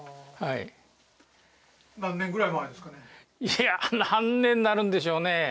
いやぁ何年になるんでしょうね。